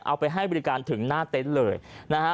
เอาไปให้บริการถึงหน้าเต็นต์เลยนะฮะ